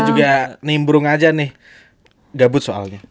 saya juga nimbrung aja nih gabut soalnya